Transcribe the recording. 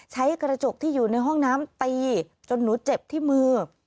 ใช้กระจกที่อยู่ในห้องน้ำตีจนหนูเจ็บที่มือ